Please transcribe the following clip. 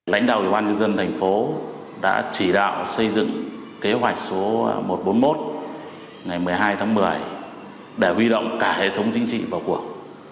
lãnh đạo ủy ban nhân dân thành phố đã chỉ đạo xây dựng kế hoạch số một trăm bốn mươi một ngày một mươi hai tháng một mươi để huy động cả hệ thống chính trị vào cuộc